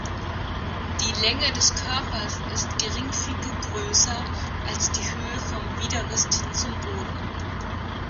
Die Länge des Körpers ist geringfügig größer als die Höhe vom Widerrist zum Boden.